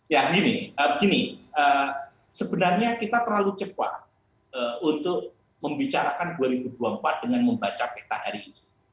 ya gini begini sebenarnya kita terlalu cepat untuk membicarakan dua ribu dua puluh empat dengan membaca peta hari ini